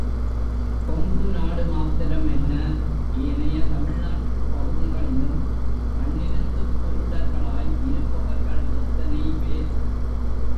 கொங்கு நாடு மாத்திரம் என்ன, ஏனைய தமிழ்நாட்டுப் பகுதிகளிலும் கண்ணிருந்தும் குருடர்களாய் இருப்பவர்கள் எத்தனை பேர்?